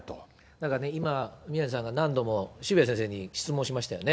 だからね、今、宮根さんが何度も渋谷先生に質問しましたよね。